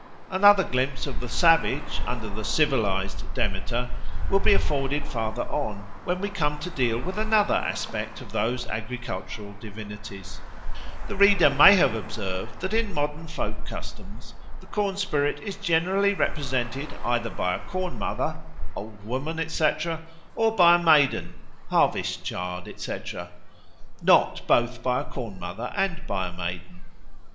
Another glimpse of the savage under the civilised Demeter will be afforded farther on, when we come to deal with another aspect of those agricultural divinities. The reader may have observed that in modern folk customs the corn spirit is generally represented either by a Corn mother (Old Woman, etc.) or by a Maiden (Harvest child, etc.), not both by a Corn mother and by a Maiden.